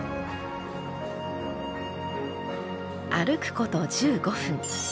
歩くこと１５分。